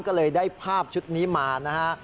ก็เลยได้ภาพชุดนี้มานะฮะ